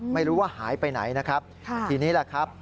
ไม่รู้ว่าหายไปไหนนะครับทีนี้แหละครับ